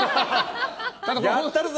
やったるぞ！